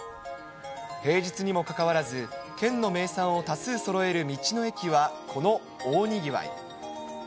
平日にもかかわらず、県の名産を多数そろえる道の駅はこの大にぎわい。